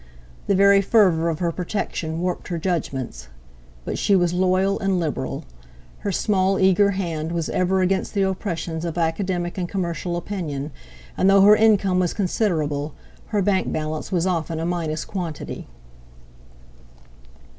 The very fervour of her protection warped her judgments. But she was loyal and liberal; her small eager hand was ever against the oppressions of academic and commercial opinion, and though her income was considerable, her bank balance was often a minus quantity.